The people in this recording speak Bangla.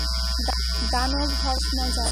দানব হওয়াটা বেশ মজার।